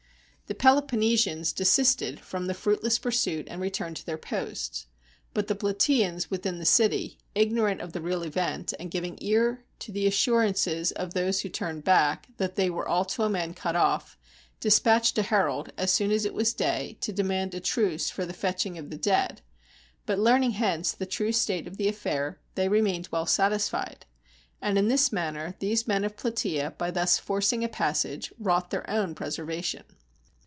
The Peloponnesians desisted from the fruitless pur suit, and returned to their posts. But the Platasans with in the city, ignorant of the real event, and giving ear to the assurances of those who turned back, that "they are all to a man cut off," dispatched a herald, as soon as it was day, to demand a truce for the fetching off the dead; but learning hence the true state of the affair, they re mained well satisfied. And in this manner these men of Platasa, by thus forcing a passage, wrought their own preservation.